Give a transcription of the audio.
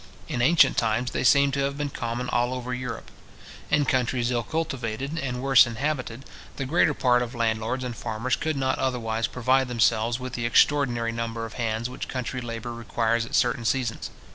In ancient times, they seem to have been common all over Europe. In countries ill cultivated, and worse inhabited, the greater part of landlords and farmers could not otherwise provide themselves with the extraordinary number of hands which country labour requires at certain seasons.